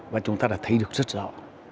và chúng ta đã thấy được rất rõ